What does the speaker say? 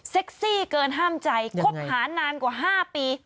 ซี่เกินห้ามใจคบหานานกว่า๕ปี